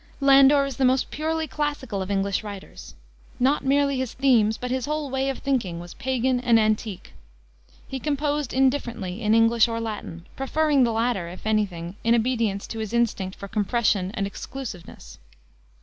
Landor is the most purely classical of English writers. Not merely his themes but his whole way of thinking was pagan and antique. He composed, indifferently, in English or Latin, preferring the latter, if any thing, in obedience to his instinct for compression and exclusiveness.